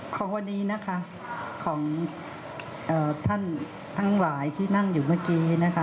ของวันนี้นะคะของท่านทั้งหลายที่นั่งอยู่เมื่อกี้นะคะ